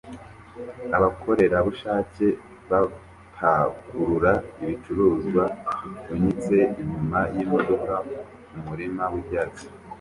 Abakorerabushake bapakurura ibicuruzwa bipfunyitse inyuma yimodoka kumurima wibyatsi